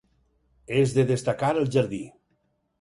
És de destacar el jardí.